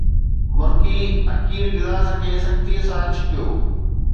مرڪي اڪير گلاس کي سختيءَ سان ڇڪيو